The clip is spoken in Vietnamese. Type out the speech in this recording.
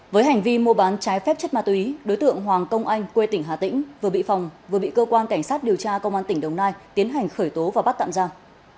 với hành vi mua bán trái phép chất ma túy đối tượng hoàng công anh quê tỉnh hà tĩnh vừa bị phòng vừa bị cơ quan cảnh sát điều tra công an tỉnh đồng nai tiến hành khởi tố và bắt tạm giam